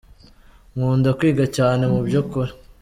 Nkunda kwiga cyane mubyukuri